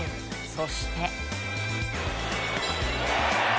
そして。